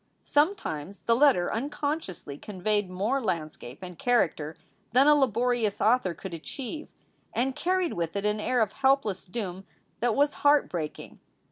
Sometimes the letter unconsciously conveyed more land scape and character than a laborious author could achieve, and carried with it an air of helpless doom that was heart breaking.